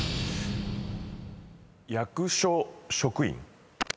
役所職員。